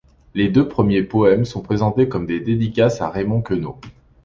Les deux premiers poèmes sont présentés comme des dédicaces à Raymond Queneau.